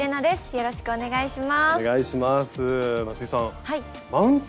よろしくお願いします。